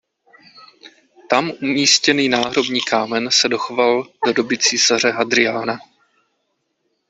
Tam umístěný náhrobní kámen se dochoval do doby císaře Hadriána.